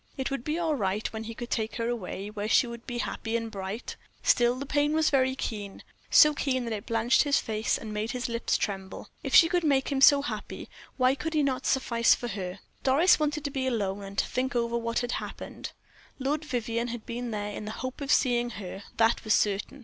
It would be all right when he could take her away, where she would be happy and bright; still the pain was very keen, so keen that it blanched his face, and made his lips tremble. If she could make him so happy, why could he not suffice for her? Doris wanted to be alone and to think over what had happened. Lord Vivianne had been there in the hope of seeing her, that was certain.